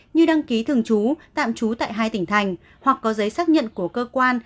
như đăng ký thường trú tạm trú tại hai tỉnh thành hoặc có giấy xác nhận của cơ quan